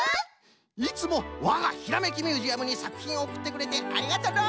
いつもわがひらめきミュージアムにさくひんをおくってくれてありがとのう！